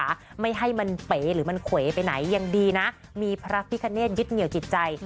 ไม่ให้มันเป๋หรือมันเขวไปไหนยังดีนะมีพระพิคเนตยึดเหนี่ยวจิตใจ